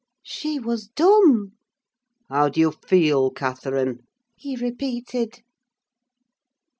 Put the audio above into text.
"She was dumb. "'How do you feel, Catherine?' he repeated.